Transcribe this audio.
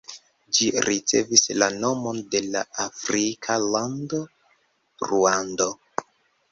Ĝi ricevis la nomon de la afrika lando Ruando.